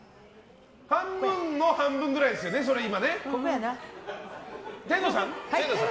半分の半分くらいですよね、今。